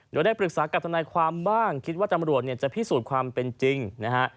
โดยได้ปรึกษากับทนายความบ้างคิดว่าตำรวจเนี่ยจะพิสูจน์ความเป็นจริงนะฮะ